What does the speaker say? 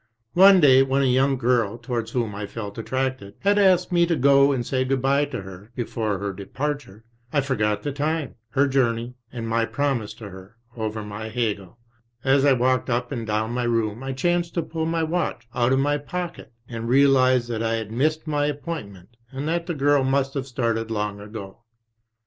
One day, when a young girl towards whom I felt attracted had asked me to go and say good bye to her be fore her departure, I forgot the time, her journey, and my promise to her, over my HegeL As I walked up and down my room I chanced to pull my watch out of my pocket, and realised that I had missed my appointment and that the girl must have started long ago.